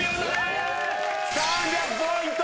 ３００ポイント！